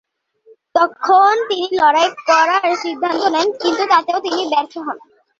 তখন তিনি লড়াই করার সিদ্ধান্ত নেন কিন্তু তাতেও তিনি ব্যর্থ হন।